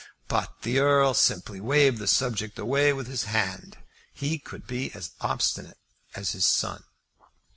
But the Earl simply waived the subject away with his hand. He could be as obstinate as his son.